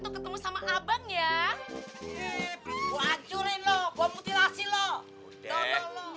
gak perlu deh